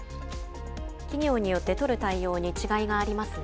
企業によって取る対応に違いがありますね。